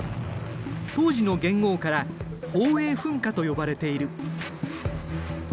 当時の元号から宝永噴火と呼ばれている。